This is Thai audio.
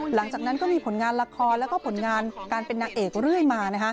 หลังจากนั้นก็มีผลงานละครแล้วก็ผลงานการเป็นนางเอกเรื่อยมา